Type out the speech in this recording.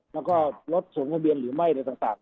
แล้วก็รถสวมทะเบียนหรือไม่อะไรต่าง